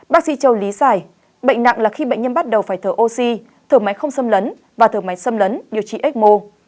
bác sĩ châu lý giải bệnh nặng là khi bệnh nhân bắt đầu phải thở oxy thở máy không xâm lấn và thở máy xâm lấn điều trị ecmo